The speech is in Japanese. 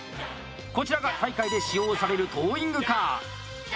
こちらが大会で使用されるトーイングカー。